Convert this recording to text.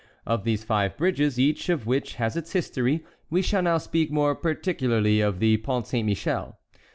Of these five bridges, each of which has its history, we shall now speak more particularly of the Pont Saint Michel.